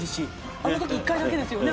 あの時１回だけですよね？